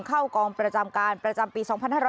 เข้ากองประจำการประจำปี๒๕๖๐